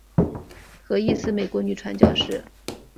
何义思美国女传教士。